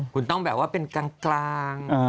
คุณต้องแบบว่าเป็นกลาง